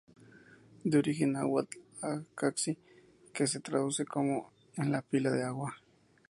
De origen náhuatl A-caxi-c, que se traduce como: en la pila de agua.